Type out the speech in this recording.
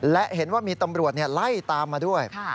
และเห็นว่ามีตำรวจไล่ตามมาด้วย